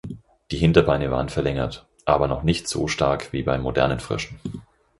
Die Hinterbeine waren verlängert, aber noch nicht so stark wie bei modernen Fröschen.